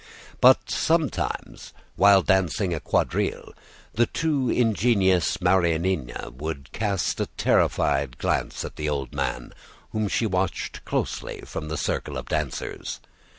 But sometimes, while dancing a quadrille, the too ingenuous Marianina would cast a terrified glance at the old man, whom she watched closely from the circle of dancers.